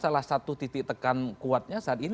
salah satu titik tekan kuatnya saat ini